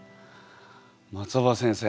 松尾葉先生。